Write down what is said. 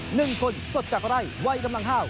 หนึ่งคนสดจากไร่วัยกำลังห้าว